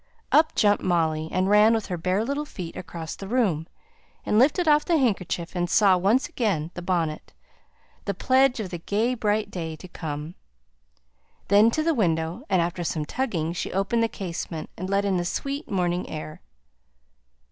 Up jumped Molly, and ran with her bare little feet across the room, and lifted off the handkerchief and saw once again the bonnet; the pledge of the gay bright day to come. Then to the window, and after some tugging she opened the casement, and let in the sweet morning air.